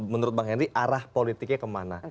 menurut bang henry arah politiknya kemana